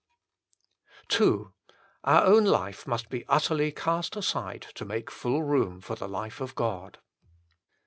1 II Our own life must be utterly cast aside to make full room for the life of God.